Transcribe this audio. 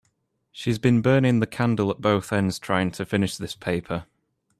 She has been burning the candle at both ends trying to finish this paper.